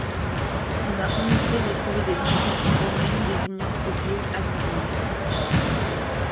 On a en effet retrouvé des inscriptions romaines désignant ce dieu Aximus.